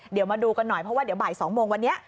เดี๋ยวมาดูกันหน่อยเพราะว่าเดี๋ยวบ่าย๒โมงวันนี้